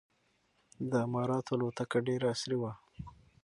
د اماراتو الوتکه ډېره عصري وه.